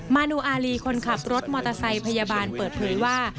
มานูอารีคนขับรถมอเตอร์ไซค์พยาบาลเปิดเผยว่า